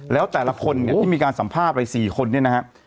แล้วแต่ละคนเนี่ยที่มีการสัมภาษณ์ไป๔คนเนี่ยนะฮะ